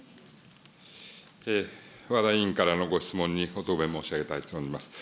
わが委員からのご質問にご答弁申し上げたいと思います。